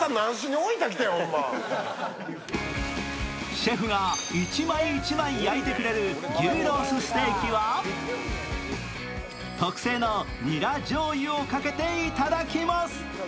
シェフが１枚１枚焼いてくれる牛ロースステーキは特製のにらじょうゆをかけていただきます。